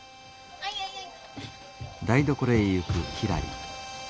はいはいはい。